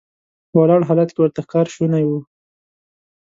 په ولاړ حالت کې ورته ښکار شونی و.